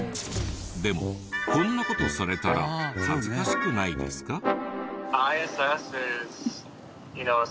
でもこんな事されたら恥ずかしくないですか？